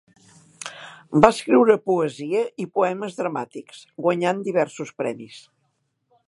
Va escriure poesia i poemes dramàtics, guanyant diversos premis.